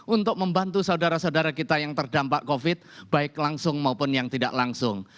untuk membantu saudara saudara kita yang terdampak covid baik langsung maupun yang tidak langsung